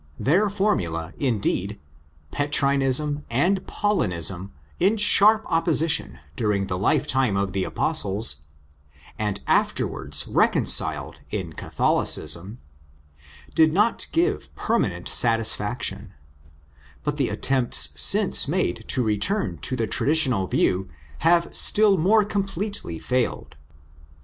Their formula, indeed—Petrinism and Paulinism in sharp opposition during the lifetime of the Apostles, and afterwards reconciled in Catholicism—did not give permanent satisfaction ; but the attempts since made to return to the traditional view have still more completely failed.